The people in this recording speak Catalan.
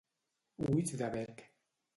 Ulls de boc.